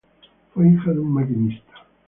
Fue hija de un maquinista.